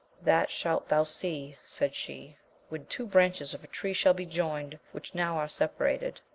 That shalt thou see, said she, when two branches of a tree shall be joined, which now are separated.